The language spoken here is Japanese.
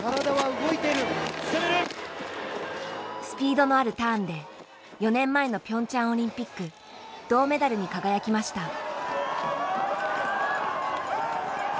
スピードのあるターンで４年前のピョンチャンオリンピック銅メダルに輝きました。